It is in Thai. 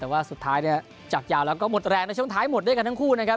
แต่ว่าสุดท้ายเนี่ยจากยาวแล้วก็หมดแรงในช่วงท้ายหมดด้วยกันทั้งคู่นะครับ